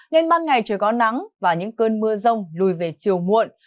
nên ban ngày trời có nắng và những cơn mưa rông lùi về chiều muộn